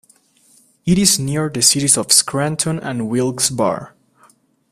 It is near the cities of Scranton and Wilkes-Barre.